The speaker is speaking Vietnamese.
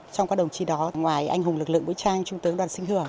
trong các đồng chí đó ngoài anh hùng lực lượng vũ trang trung tướng đoàn sinh hờ